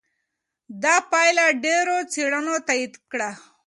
دا پایله ډېرو څېړنو تایید کړه.